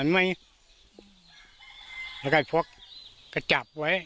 แล้วก็พกก็จับไว้